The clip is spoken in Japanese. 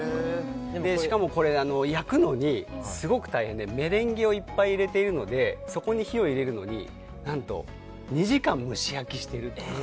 しかも、焼くのにすごく大変でメレンゲをいっぱい入れているのでそこに火を入れるのに何と２時間蒸し焼きしていると。